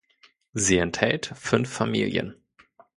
Sie enthält fünf Familien.